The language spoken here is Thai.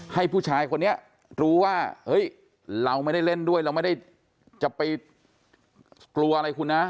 ให้ผู้ชายคนนี้รู้ว่าเฮ้ยเราไม่ได้เล่นด้วยเราไม่ได้จะไปกลัวอะไรคุณนะ